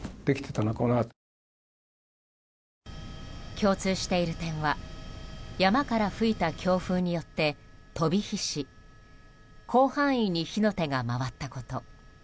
共通している点は山から吹いた強風によって飛び火し広範囲に火の手が回ったこと。